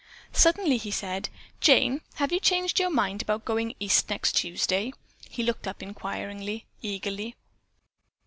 Suddenly he said: "Jane, have you changed your mind about going East next Tuesday?" He looked up inquiringly, eagerly.